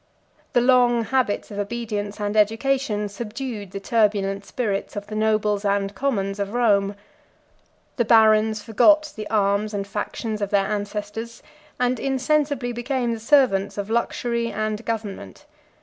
The long habits of obedience and education subdued the turbulent spirit of the nobles and commons of Rome. The barons forgot the arms and factions of their ancestors, and insensibly became the servants of luxury and government.